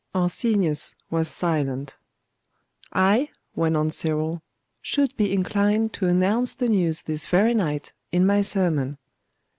Arsenius was silent. 'I,' went on Cyril, 'should be inclined to announce the news this very night, in my sermon.